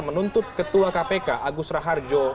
menuntut ketua kpk agus raharjo